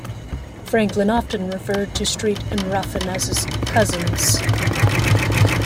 Franklin often referred to Street and Ruffin as his "cousins".